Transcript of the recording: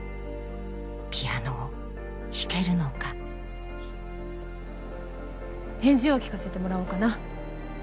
ピアノを弾けるのか返事を聞かせてもらおうかな。